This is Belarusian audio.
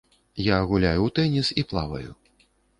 Я гуляю ў тэніс і плаваю.